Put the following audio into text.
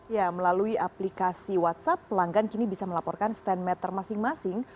ya melalui aplikasi whatsapp pelanggan kini bisa melaporkan stand meter masing masing